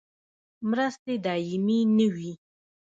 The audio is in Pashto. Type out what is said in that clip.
مرستې دایمي نه وي